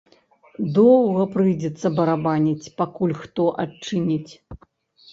Доўга прыйдзецца барабаніць, пакуль хто адчыніць.